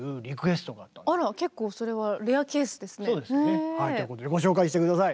そうですよね。ということでご紹介して下さい。